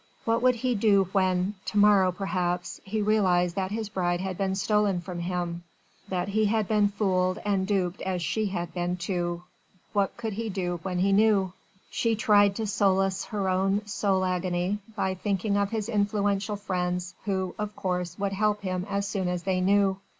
What would he do when to morrow, perhaps he realised that his bride had been stolen from him, that he had been fooled and duped as she had been too. What could he do when he knew? She tried to solace her own soul agony by thinking of his influential friends who, of course, would help him as soon as they knew.